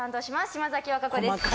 島崎和歌子です